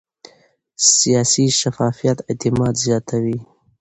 سیاسي شفافیت اعتماد زیاتوي